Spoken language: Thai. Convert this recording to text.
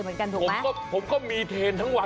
ผมก็ผมก็มีเทนทั้งวัน